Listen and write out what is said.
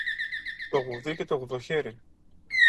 Το γουδί και το γουδοχέρι!